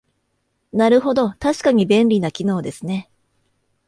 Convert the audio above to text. なるほど、確かに便利な機能ですね